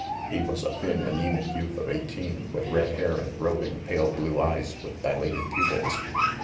He was a thin anemic youth of eighteen, with red hair and roving, pale blue eyes with dilated pupils.